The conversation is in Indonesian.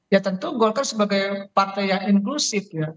ya tentu golkar sebagai partai yang inklusif ya